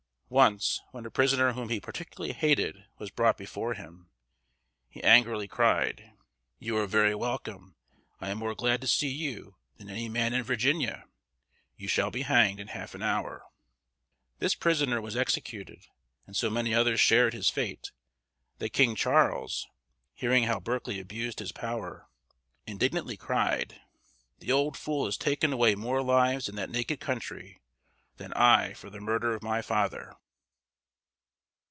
Once, when a prisoner whom he particularly hated was brought before him, he angrily cried: "You are very welcome; I am more glad to see you than any man in Virginia; you shall be hanged in half an hour." This prisoner was executed, and so many others shared his fate that King Charles, hearing how Berkeley abused his power, indignantly cried: "The old fool has taken away more lives in that naked country than I for the murder of my father."